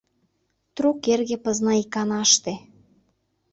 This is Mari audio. Трук эрге пызна иканаште